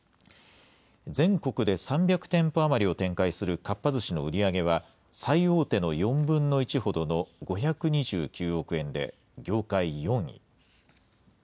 全国で３００店舗余りを展開するかっぱ寿司の売り上げは、最大手の４分の１ほどの５２９億円で業界４位。